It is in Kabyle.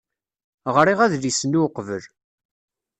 Ɣriɣ adlis-nni uqbel.